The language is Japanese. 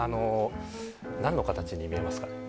何の形に見えますか？